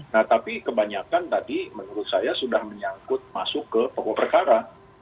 nah tapi kebanyakan tadi menurut saya sudah menyangkut masuk ke pokok perkara